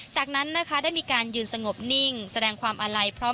จากนั้นนะคะได้มีการยืนสงบนิ่งแสดงความอาลัยพร้อม